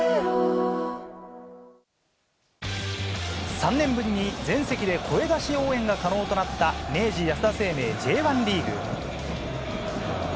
３年ぶりに全席で声出し応援が可能になった明治安田生命Ｊ１リーグ。